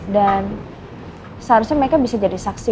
dan seharusnya mereka bisa jadi saksi